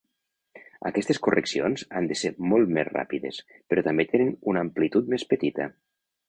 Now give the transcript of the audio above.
Aquestes correccions han de ser molt més ràpides, però també tenen un amplitud més petita.